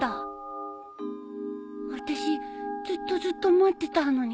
私ずっとずっと待ってたのに